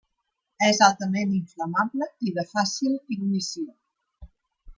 És altament inflamable i de fàcil ignició.